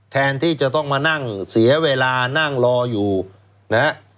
แทนที่จะต้องมานั่งเสียเวลานั่งรออยู่นะฮะ